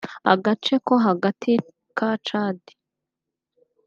agace ko hagati ka Chad